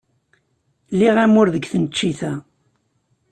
Liɣ amur deg tneččit-a.